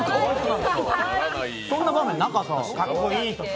そんな場面なかったし。